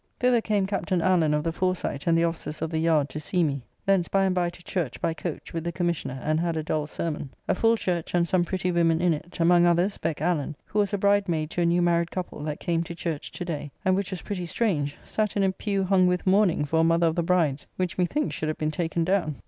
Thither came Captain Allen of the Foresight, and the officers of the yard to see me. Thence by and by to church, by coach, with the Commissioner, and had a dull sermon. A full church, and some pretty women in it; among others, Beck Allen, who was a bride maid to a new married couple that came to church to day, and, which was pretty strange, sat in a pew hung with mourning for a mother of the bride's, which methinks should have been taken down.